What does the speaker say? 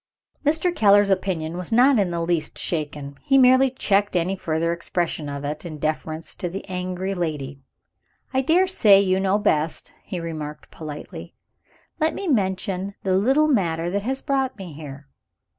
Mr. Keller's opinion was not in the least shaken; he merely checked any further expression of it, in deference to an angry lady. "I dare say you know best," he remarked politely. "Let me mention the little matter that has brought me here.